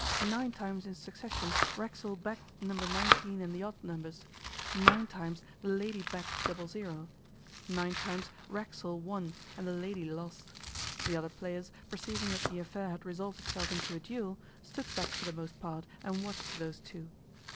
Nine times in succession Racksole backed number nineteen and the odd numbers; nine times the lady backed double zero. Nine times Racksole won and the lady lost. The other players, perceiving that the affair had resolved itself into a duel, stood back for the most part and watched those two.